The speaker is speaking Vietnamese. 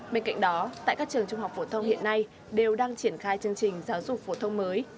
bên cạnh đó tại các trường trung học phổ thông hiện nay đều đang triển khai chương trình giáo dục phổ thông mới